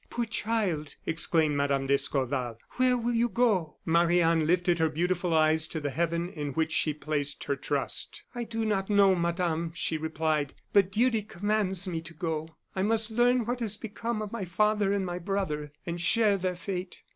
"Poor child!" exclaimed Mme. d'Escorval; "where will you go?" Marie Anne lifted her beautiful eyes to the heaven in which she placed her trust. "I do not know, Madame," she replied; "but duty commands me to go. I must learn what has become of my father and my brother, and share their fate."